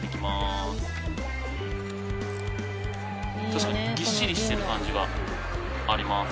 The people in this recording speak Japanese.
確かにぎっしりしてる感じがあります。